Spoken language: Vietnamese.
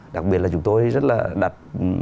đặc biệt là chúng tôi rất là đặt